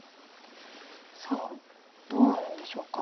さあどうなるんでしょうか。